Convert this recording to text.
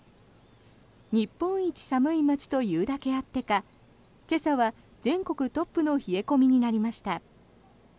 日本一寒い町というだけあってか今朝は全国トップの冷え込みになりました。